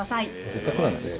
せっかくなんで。